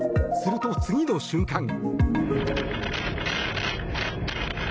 すると、次の瞬間。